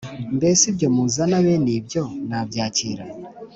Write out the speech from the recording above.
Mbese ibyo muzana bene ibyo nabyakira?